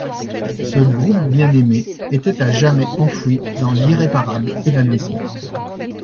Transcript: Ce groupe bien-aimé était à jamais enfoui dans l’irréparable évanouissement.